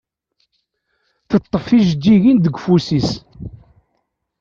Teṭṭef tijeǧǧigin deg ufus-is.